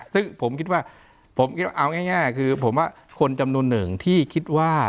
ซึ่งผมคิดว่าคนจำนวนหนึ่งที่คิดว่า